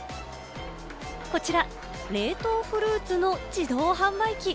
こちら、冷凍フルーツの自動販売機。